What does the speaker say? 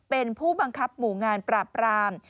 เป็นผู้บังคับหมู่งานปราบราม